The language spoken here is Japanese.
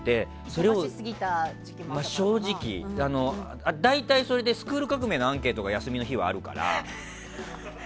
それを正直、大体、それで「スクール革命！」のアンケートが休みの日はあるから。